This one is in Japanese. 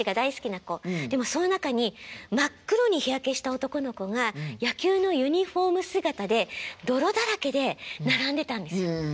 でもその中に真っ黒に日焼けした男の子が野球のユニフォーム姿で泥だらけで並んでたんですよ。